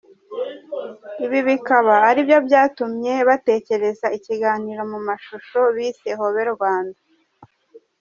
Ibi bikaba ari byo byatumye batekereza ikiganiro mu mashusho bise ‘Hobe Rwanda’.